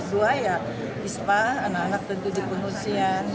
dua ya ispa anak anak tentu di pengungsian